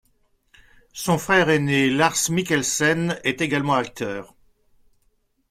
Son frère aîné Lars Mikkelsen est également acteur.